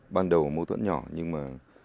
ban đầu mâu thuẫn nhỏ nhưng mà